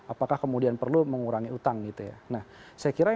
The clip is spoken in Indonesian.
apakah kemudian perlu mengurangi utang gitu ya